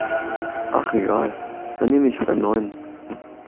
Ach egal, dann nehme ich halt einen neuen.